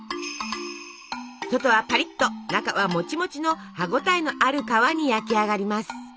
外はパリッと中はモチモチの歯ごたえのある皮に焼き上がります。